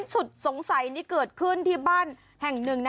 สุดสงสัยนี่เกิดขึ้นที่บ้านแห่งหนึ่ง